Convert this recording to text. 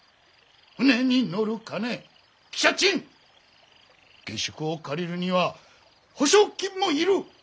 船に乗る金汽車賃下宿を借りるには保証金も要る。